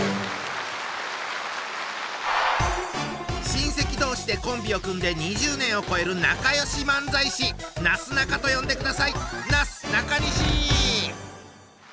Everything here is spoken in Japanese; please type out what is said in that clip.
親戚同士でコンビを組んで２０年を超える仲良し漫才師なすなかと呼んでください！